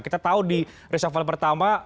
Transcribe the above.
kita tahu di reshuffle pertama